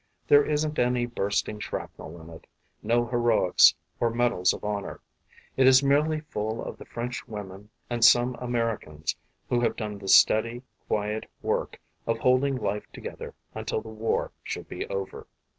There isn't any bursting shrapnel in it, no heroics or medals of honor; it is merely full of the French women and some Americans who have done the steady, quiet work of holding life together until the war should be over.